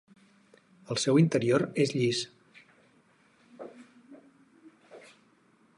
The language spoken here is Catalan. El seu interior és llis.